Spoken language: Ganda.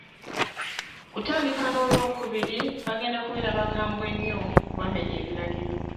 Kutandika n'olwokubiri, bagenda kubeera bakambwe nnyo ku bamenya ebiragiro